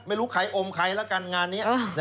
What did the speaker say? ไม่รู้ใครอมใครแล้วกันงานนี้